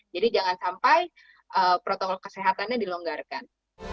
jadi jangan sampai protokol kesehatannya dilonggarkan